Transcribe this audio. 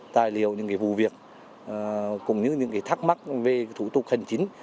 tài liệu những vụ việc cũng như những thắc mắc về thủ tục hành chính